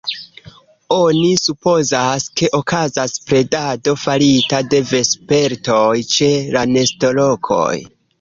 Oni supozas, ke okazas predado farita de vespertoj ĉe la nestolokoj.